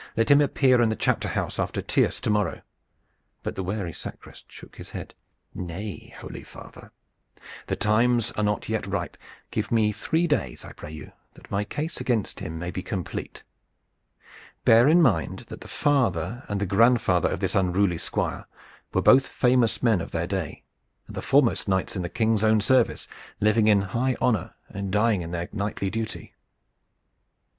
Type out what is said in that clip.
Let him appear in the chapter house after tierce to morrow." But the wary sacrist shook his head: "Nay, holy father, the times are not yet ripe. Give me three days, I pray you, that my case against him may be complete. Bear in mind that the father and the grandfather of this unruly squire were both famous men of their day and the foremost knights in the King's own service, living in high honor and dying in their knightly duty.